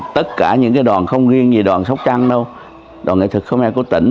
tất cả những đoàn không riêng gì đoàn sóc trăng đâu đoàn nghệ thuật khmer của tỉnh